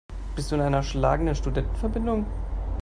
Bist du in einer schlagenden Studentenverbindung?